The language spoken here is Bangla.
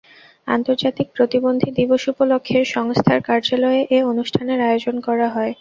আন্তর্জাতিক প্রতিবন্ধী দিবস উপলক্ষে সংস্থার কার্যালয়ে এ অনুষ্ঠানের আয়োজন করা হয়।